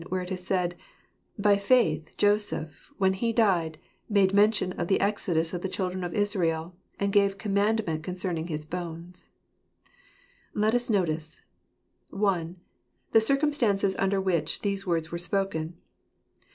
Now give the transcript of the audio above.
where it is said, "By faith Joseph, when he died, made mention of the exodus of the children of Israel; and gave commandment con cerning his bones." Let us notice — I.— The Circumstances under which these Words were Spoken.